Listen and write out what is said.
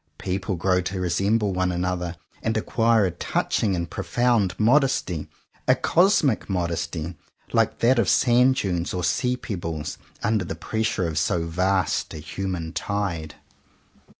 People grow to resemble one another and acquire a touching and profound modesty, a cosmic modesty, like that of sand dunes or sea pebbles, under the pressure of so vast a human tide.